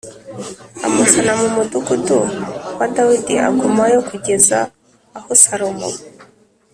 amuzana mu mudugudu wa Dawidi agumayo kugeza aho Salomo